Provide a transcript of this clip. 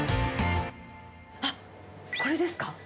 あっ、これですか？